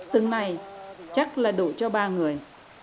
từng này chắc là đủ cho ba người